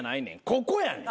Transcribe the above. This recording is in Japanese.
ここやねん。